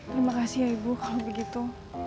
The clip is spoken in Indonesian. terima kasih ya ibu kalau begitu